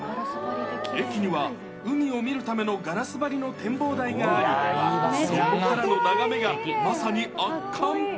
駅には、海を見るためのガラス張りの展望台があり、そこからの眺めが、まさに圧巻。